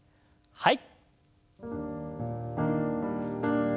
はい。